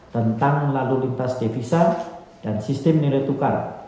tentang lalu lintas devisa dan sistem nilai tukar